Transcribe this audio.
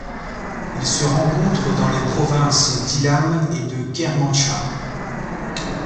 Il se rencontre dans les provinces d'Ilam et de Kermanshah.